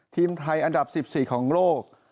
ทีมไทยอันดับ๑๔ของโลก